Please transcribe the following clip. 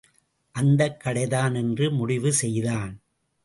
அந்தக் கடைதான் என்று முடிவு செய்தான்.